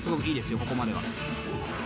ここまでは。